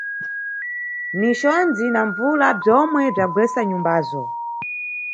Ni condzi na mbvula bzomwe bzagwesa nyumbazo.